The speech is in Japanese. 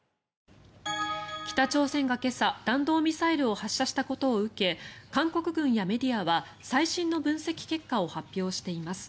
北朝鮮が今朝、弾道ミサイルを発射したことを受け韓国軍やメディアは最新の分析結果を発表しています。